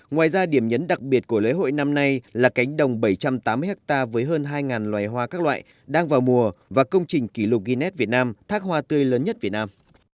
ngoài ra điểm nhấn đặc biệt của lễ hội năm nay là cánh đồng bảy trăm tám mươi ha với hơn hai loài hoa các loại đang vào mùa và công trình kỷ lục guinness việt nam thác hoa tươi lớn nhất việt nam